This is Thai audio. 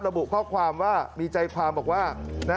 ระบุข้อความว่ามีใจความบอกว่า